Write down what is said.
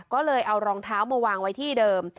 ก็เลยเอารองเท้ามาวางไว้ที่เดิม